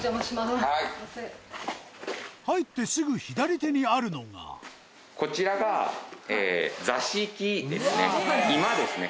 入ってすぐ左手にあるのがこちらが座敷ですね。